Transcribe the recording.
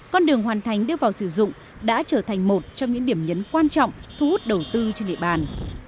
con đường hoàn thành đưa vào sử dụng đã trở thành một trong những điểm nhấn quan trọng thu hút đầu tư trên địa bàn